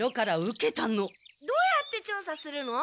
どうやって調査するの？